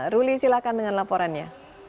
ruli silakan dengan laporannya